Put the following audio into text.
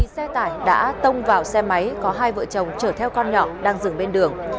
xe tải đã tông vào xe máy có hai vợ chồng chở theo con nhỏ đang dừng bên đường